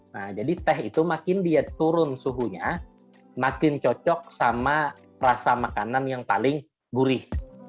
nah jadi teh itu makin dia turun suhunya makin cocok sama rasa makanan yang paling gurih